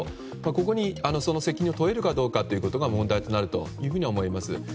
ここにその責任を問えるかというのが問題となると思います。